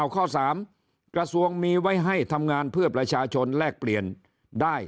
ข้อ๓กระทรวงมีไว้ให้ทำงานเพื่อประชาชนแลกเปลี่ยนได้